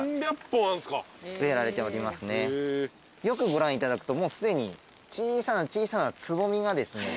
よくご覧いただくともうすでに小さな小さなつぼみがです